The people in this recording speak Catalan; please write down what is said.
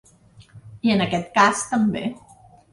I en aquest cas també.